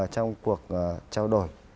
trong cuộc trao đổi